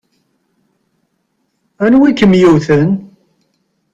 Anwa i kem-yewwten?